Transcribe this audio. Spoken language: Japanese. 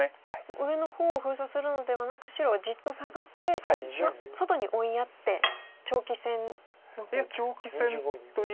上の方を封鎖するのではなく白はじっとサガってまあ外に追いやって長期戦の方ですか。